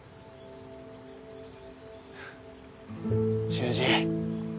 修二。